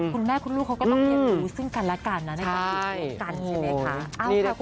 คุณแม่คุณลูกเขาก็ต้องเรียนรู้ซึ่งกันและกันนะในความคิดเดียวกันใช่ไหมคะ